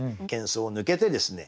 喧騒を抜けてですね